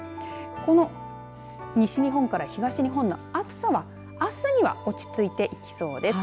この西日本から東日本の暑さはあすには落ち着いていきそうです。